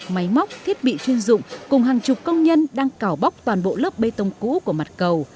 máy móc thiết bị chuyên dụng cùng hàng chục công nhân đang cào bóc toàn bộ lớp bê tông cũ của mặt cầu